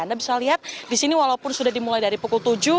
anda bisa lihat di sini walaupun sudah dimulai dari pukul tujuh